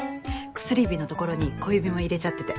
薬指のところに小指も入れちゃってて。